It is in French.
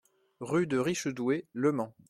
Rue de Richedoué, Le Mans